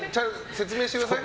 説明してください。